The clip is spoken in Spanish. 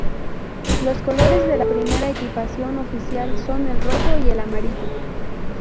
Los colores de la primera equipación oficial son el rojo y el amarillo.